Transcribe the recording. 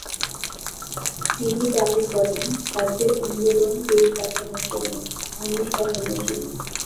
তিনি দাবি করেন, তাঁদের আন্দোলন দেশ বাঁচানোর জন্য, মানুষকে বাঁচানোর জন্য।